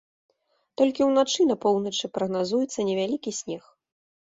Толькі ўначы на поўначы прагназуецца невялікі снег.